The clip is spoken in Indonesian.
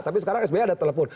tapi sekarang sby ada telepon